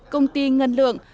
công ty ngân lượng